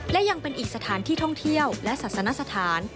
และยังเป็นอีกสถานที่ท่องเที่ยวและศาสนสถาน